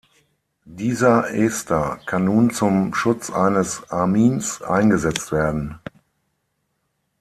Dieser Ester kann nun zum Schutz eines Amins eingesetzt werden.